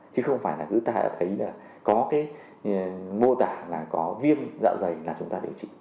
chứ không phải là cứ ta đã thấy là có cái mô tả là có viêm dạ dày là chúng ta điều trị